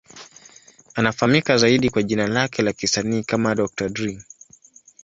Anafahamika zaidi kwa jina lake la kisanii kama Dr. Dre.